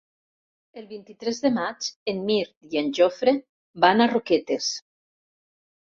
El vint-i-tres de maig en Mirt i en Jofre van a Roquetes.